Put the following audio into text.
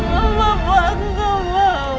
mama aku gak mau